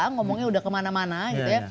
ngomongnya udah kemana mana gitu ya